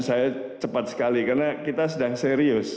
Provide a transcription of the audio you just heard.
saya cepat sekali karena kita sedang serius